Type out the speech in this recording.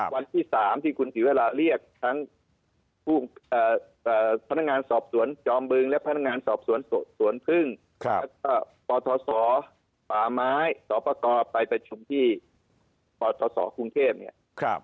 วันที่๓ที่คุณศรีวราเรียกทั้งพนักงานสอบสวนจอมบึงและพนักงานสอบสวนสวนพึ่งแล้วก็ปทศป่าไม้สอปกรไปประชุมที่ปศกรุงเทพเนี่ย